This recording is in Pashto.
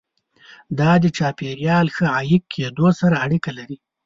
دا د چاپیریال ښه عایق کېدو سره اړیکه لري.